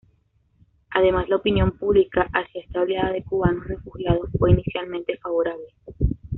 Además, la opinión pública hacia esta oleada de cubanos refugiados fue inicialmente favorable.